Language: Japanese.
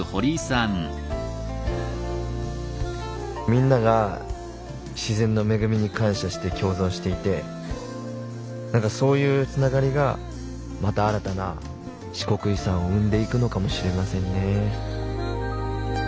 みんなが自然の恵みに感謝して共存していて何かそういうつながりがまた新たな四国遺産を生んでいくのかもしれませんね。